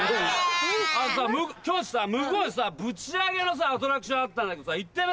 今日向こうでさブチ上げのさアトラクションあったんだけど行ってみる？